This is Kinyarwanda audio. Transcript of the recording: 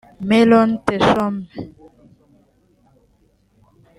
Meron Teshome